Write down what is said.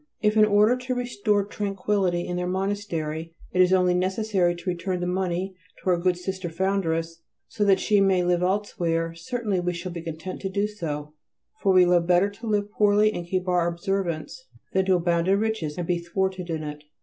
If, in order to restore tranquility in their monastery, it is only necessary to return the money to our good Sister Foundress, so that she may live elsewhere, certainly we shall be content to do so, for we love better to live poorly and keep our observance than to abound in riches and be thwarted in it.